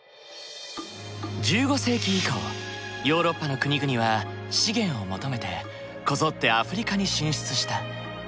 １５世紀以降ヨーロッパの国々は資源を求めてこぞってアフリカに進出した。